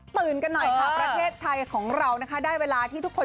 ตื่นกันหน่อยค่ะประเทศไทยว่าเราได้เวลาที่ทุกคน